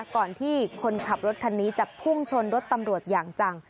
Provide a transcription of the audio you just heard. ก่อนที่คนขับรถคันนี้จะพุ่งชนรถตำรวจอย่างจัง